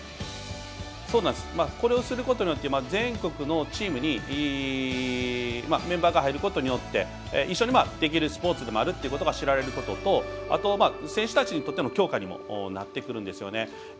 これをすることで全国のチームにメンバーが入ることによって一緒にできるスポーツで知られることと選手たちにとっての強化にもなってくるんですよね。